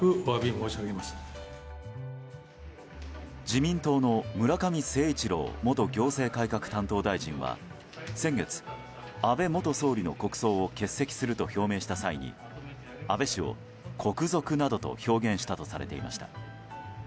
自民党の村上誠一郎元行政改革担当大臣は先月、安倍元総理の国葬を欠席すると表明した際に安倍氏を国賊などと表現したとされていました。